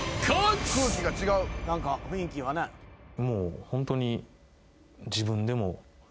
もうホントに。